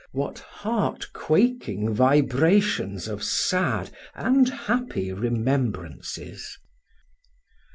what heart quaking vibrations of sad and happy remembrances!